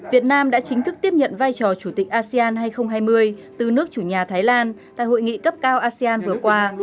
việt nam đã chính thức tiếp nhận vai trò chủ tịch asean hai nghìn hai mươi từ nước chủ nhà thái lan tại hội nghị cấp cao asean vừa qua